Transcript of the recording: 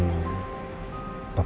papa surya agak marah karena